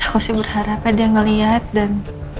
aku sih berharapnya dia ngeliat dan